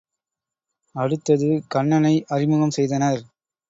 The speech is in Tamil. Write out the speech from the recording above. அடுத்தது கண்ணனை அறிமுகம் செய்தனர்.